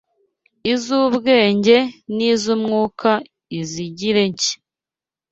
iz’ubwenge n’iz’umwuka izigire nshya